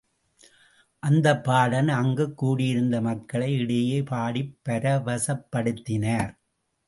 அந்தப் பாடகன் அங்குக் கூடியிருந்த மக்கள் இடையே பாடிப் பரவசப்படுத்தினார்.